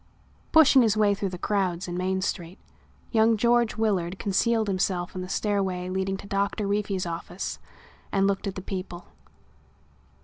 Pushing his way through the crowds in Main Street, young George Willard concealed himself in the stairway leading to Doctor Reefy's office and looked at the people.